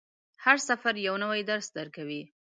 هر سفر یو نوی درس درکوي.